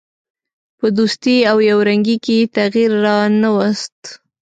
په دوستي او یو رنګي کې یې تغییر را نه ووست.